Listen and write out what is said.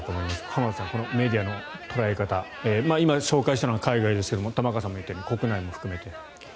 浜田さん、このメディアの捉え方今紹介したのは海外ですけども玉川さんが言ったように国内も含めて。